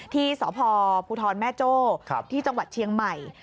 ที่สพภูทรแม่โจ้ที่จังหวัดเชียงใหม่